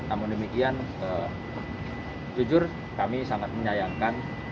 namun demikian jujur kami sangat menyayangkan